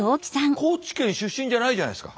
高知県出身じゃないじゃないですか。